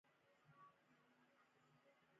د یو ښه ګاونډي په توګه.